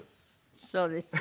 そうですか。